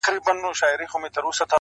هغې بۀ ما بلاندي د خپل سر لوپټه وهله